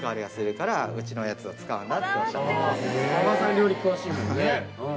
料理詳しいもんね。